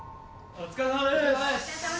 お疲れさまでした。